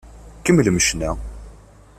Kemmlem ccna!